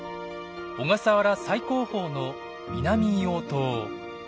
小笠原最高峰の南硫黄島。